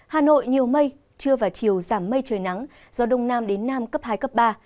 hà nội nhiều mây trưa và chiều giảm mây trời nắng gió đông nam đến nam cấp hai cấp ba